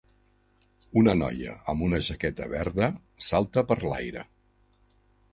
Una noia amb una jaqueta verda salta per l'aire.